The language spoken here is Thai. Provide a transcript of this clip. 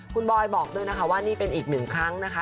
คุณบอยบอกด้วยนะคะว่านี่เป็นอีกหนึ่งครั้งนะคะ